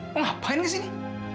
mau ngapain kesini